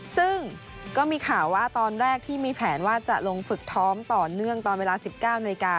ซึ่งก็มีข่าวว่าตอนแรกที่มีแผนว่าจะลงฝึกซ้อมต่อเนื่องตอนเวลา๑๙นาฬิกา